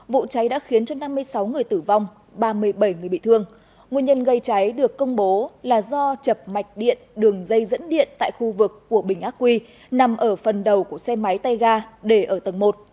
vụ cháy đã khiến cho năm mươi sáu người tử vong ba mươi bảy người bị thương nguyên nhân gây cháy được công bố là do chập mạch điện đường dây dẫn điện tại khu vực của bình ác quy nằm ở phần đầu của xe máy tay ga để ở tầng một